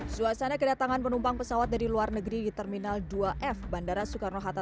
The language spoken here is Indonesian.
suasana kedatangan penumpang pesawat dari luar negeri di terminal dua f bandara soekarno hatta